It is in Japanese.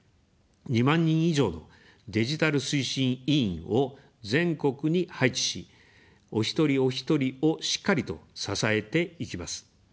２万人以上のデジタル推進委員を全国に配置し、お一人おひとりをしっかりと支えていきます。